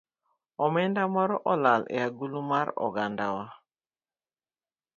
Omenda moro olal e agulu mar ogandawa